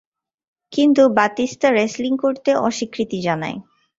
কিন্তু Batista wrestling করতে অস্বীকৃতি জানায়।